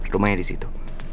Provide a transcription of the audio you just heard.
rumahnya di situ